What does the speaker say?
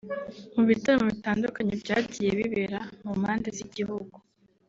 Mu bitaramo bitandukanye byagiye bibera mu mpande z’igihugu